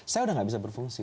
saya udah gak bisa berfungsi